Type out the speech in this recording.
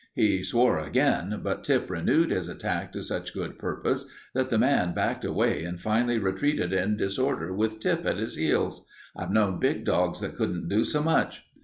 He swore again, but Tip renewed his attack to such good purpose that the man backed away and finally retreated in disorder with Tip at his heels. I've known big dogs that couldn't do so much."